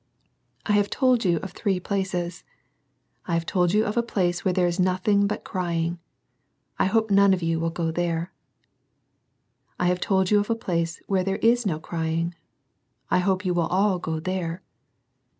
I have told you of three places. I have told yoi of a place where there is nothing but crying. 1 hope none of you will go there. — I have tolc you of a place where there is no crying. I hopt you will all go there.